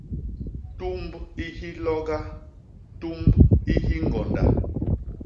Tumb i hiloga; tumb i hiñgonda.